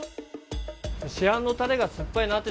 市販のタレが酸っぱいなって